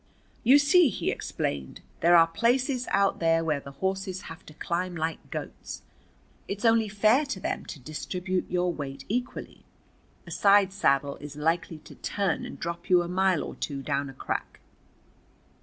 "You see," he explained, "there are places out there where the horses have to climb like goats. It's only fair to them to distribute your weight equally. A side saddle is likely to turn and drop you a mile or two down a crack."